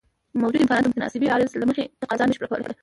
موجوده امکانات د متناسبې عرضې له مخې تقاضا نشي پوره کولای.